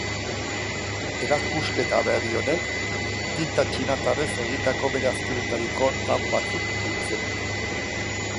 Erakusketa berri honek, tinta txinatarrez egindako bere azkenetariko lan batzuk biltzen ditu.